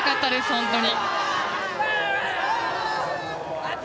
本当に。